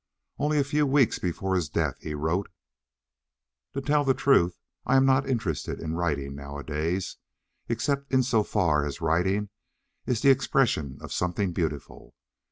Only a few weeks before his death he wrote: To tell the truth, I am not interested in writing nowadays, except in so far as writing is the expression of something beautiful.